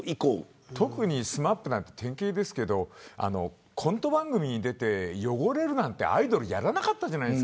特にＳＭＡＰは典型ですけどコント番組に出て汚れるなんてアイドルはやらなかった。